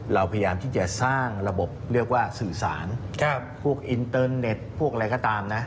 เราพยายามที่จะสร้างระบบเรียกว่าสื่อสารพวกอินเตอร์เน็ตพวกอะไรก็ตามนะ